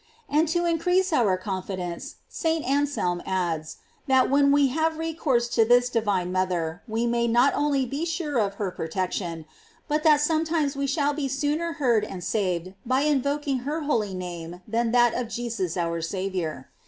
§ And to increase our confidence, St. An selm adds, that when we have recourse to this divine mother, we may not only be sure of her protection, but that sometimes we shall be soon er heard and saved by invoking her holy name than that of Jesus our Saviour.